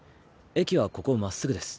駅はここまっすぐです。